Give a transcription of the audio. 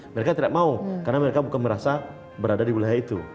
mereka tidak mau karena mereka bukan merasa berada di wilayah itu